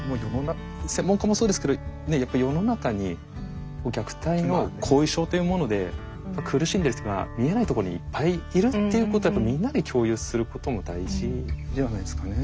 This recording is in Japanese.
専門家もそうですけどやっぱり世の中に虐待の後遺症というもので苦しんでいる人が見えないところにいっぱいいるっていうことをみんなで共有することも大事じゃないですかね。